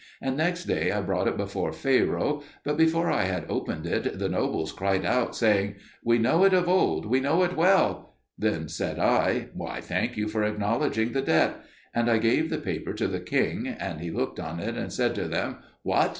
And next day I brought it before Pharaoh; but before I had opened it the nobles cried out, saying, "We know it of old, we know it well!" Then said I, "I thank you for acknowledging the debt." And I gave the paper to the king, and he looked on it and said to them, "What!